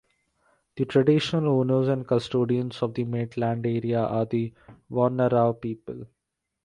The Traditional Owners and Custodians of the Maitland area are the Wonnarua people.